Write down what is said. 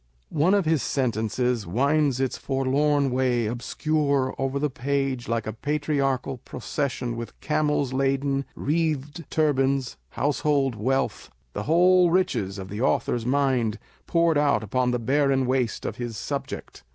One of his sentences winds its " forlorn way obscure" over the page like a patriarchal procession with camels laden, wreathed turbans, household wealth, the whole riches of the author's mind poured out upon the barren waste of his subject.